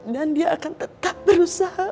dan dia akan tetap berusaha